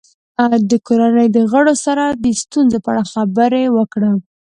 د کورنۍ د غړو سره د ستونزو په اړه خبرې وکړه.